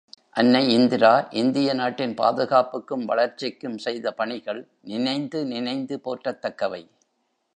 அன்னை இந்திரா, இந்திய நாட்டின் பாதுகாப்புக்கும் வளர்ச்சிக்கும் செய்த பணிகள் நினைந்து நினைந்து போற்றத்தக்கவை.